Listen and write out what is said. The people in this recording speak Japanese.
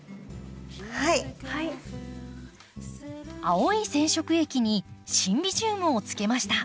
青い染色液にシンビジウムをつけました。